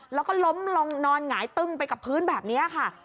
แล้วก็ล้มลงนอนหงายตึ้งไปกับพื้นแบบนี้ค่ะ